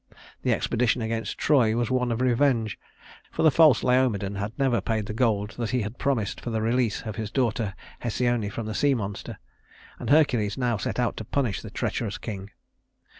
The expedition against Troy was one of revenge, for the false Laomedon had never paid the gold that he had promised for the release of his daughter Hesione from the sea monster; and Hercules now set out to punish the treacherous king.